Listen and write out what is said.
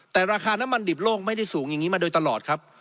แต่ราคาน้ำมันดิบโลกไม่ได้สูงอย่างนี้มาโดยตลอดครับ